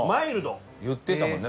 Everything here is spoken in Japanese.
言ってたもんね